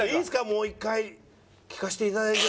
もう一回。聴かせて頂いて。